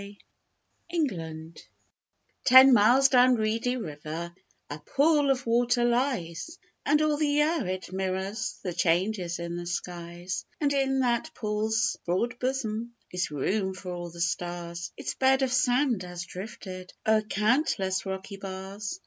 REEDY RIVER Ten miles down Reedy River A pool of water lies, And all the year it mirrors The changes in the skies, And in that pool's broad bosom Is room for all the stars; Its bed of sand has drifted O'er countless rocky bars.